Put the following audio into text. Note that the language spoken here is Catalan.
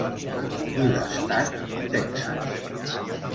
I l'estat, Texas.